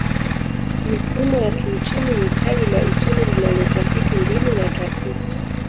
Mifumo ya kiuchumi ni tawi la uchumi linalotafiti mbinu na taasisi